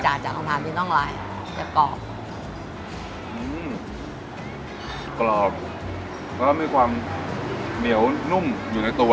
จากของผัดนี้น่องลายจะกรอบกรอบเพราะมันมีความเหนียวนุ่มอยู่ในตัว